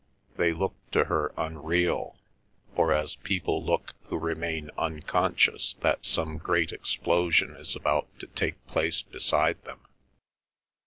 They looked to her unreal, or as people look who remain unconscious that some great explosion is about to take place beside them.